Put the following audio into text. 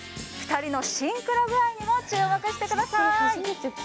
２人のシンクロ具合にも注目してください。